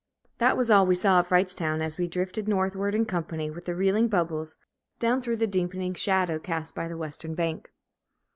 That was all we saw of Wrightstown, as we drifted northward in company with the reeling bubbles, down through the deepening shadow cast by the western bank.